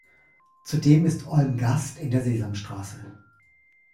Zudem ist Olm Gast in der "Sesamstraße".